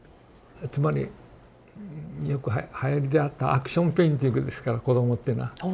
つまりよくはやりであったアクションペインティングですから子どもっていうのは。